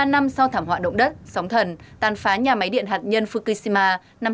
một mươi ba năm sau thảm họa động đất sóng thần tàn phá nhà máy điện hạt nhân fukushima năm hai nghìn một mươi một